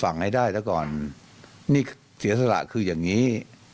นี่เสียสละคืออย่างนี้